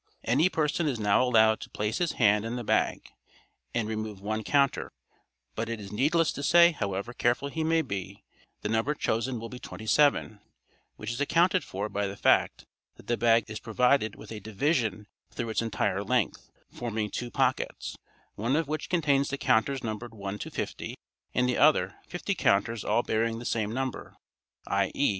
Any person is now allowed to place his hand in the bag and remove one counter, but it is needless to say, however careful he may be, the number chosen will be 27, which is accounted for by the fact that the bag is provided with a division through its entire length, forming two pockets, one of which contains the counters numbered 1 to 50, and the other, fifty counters all bearing the same number, i.e.